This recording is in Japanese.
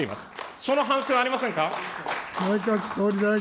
その反省はありませんか。